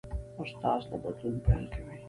استاد د بدلون پیل کوي.